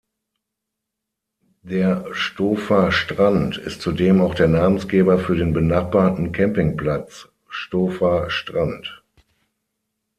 Der Stover Strand ist zudem auch der Namensgeber für den benachbarten Campingplatz Stover Strand.